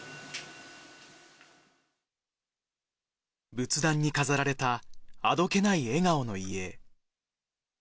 仏壇に飾られたあどけない笑顔の遺影。